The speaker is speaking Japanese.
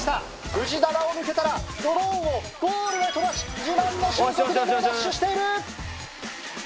藤棚を抜けたらドローンをゴールへ飛ばし自慢の俊足で猛ダッシュしている！